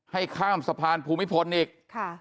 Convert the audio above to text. ให้ข้ามสะพานภูมิพลอีก